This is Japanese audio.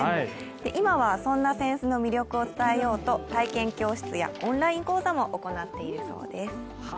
今はそんな扇子の魅力を伝えようと体験教室やオンライン講座も行っているそうです。